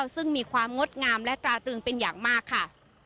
ซึ่งมีความงดงามและตราตรึงเป็นอย่างมากค่ะ